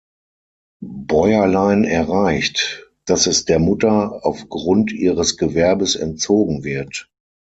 Bäuerlein erreicht, dass es der Mutter „auf Grund ihres Gewerbes entzogen“ wird.